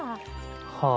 はあ。